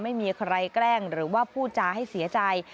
ไม่มีใครแกล้งหรือว่าพูดจาให้เสียใจ